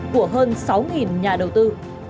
của hơn sáu nhà đầu tư